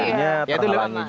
ini terhalangi juga